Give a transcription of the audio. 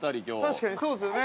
◆確かにそうですよね。